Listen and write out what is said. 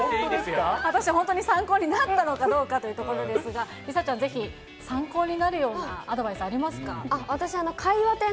果たして本当に参考になったのかどうかというところですが、梨紗ちゃん、ぜひ参考になるようなアドバイスありますか？